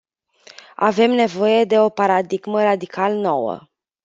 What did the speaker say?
Avem nevoie de o paradigmă radical nouă.